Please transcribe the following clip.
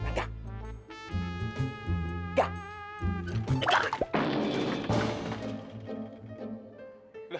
lah gak ada suara si babri